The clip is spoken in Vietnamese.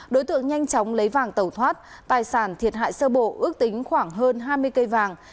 đối tượng nhanh chóng lấy vàng tẩu thoát tài sản thiệt hại sơ bộ ước tính khoảng hơn hai mươi cây vàng